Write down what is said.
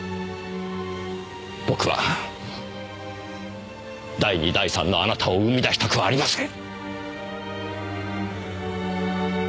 僕は第二第三のあなたを生み出したくはありません。